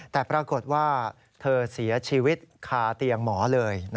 แต่ปรากฏว่าเธอเสียชีวิตคาเตียงหมอเลย